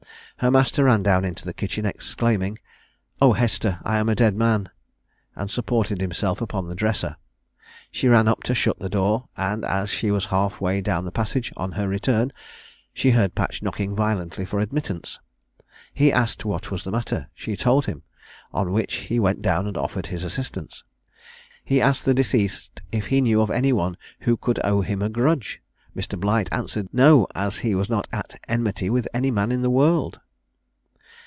Her master ran down into the kitchen, exclaiming, "Oh, Hester, I am a dead man!" and supported himself upon the dresser. She ran up to shut the door; and as she was half way down the passage, on her return, she heard Patch knocking violently for admittance. He asked what was the matter; she told him; on which he went down and offered his assistance. He asked the deceased if he knew of any one who could owe him a grudge? Mr. Blight answered, "No, as he was not at enmity with any man in the world."